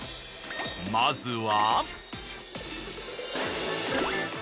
まずは。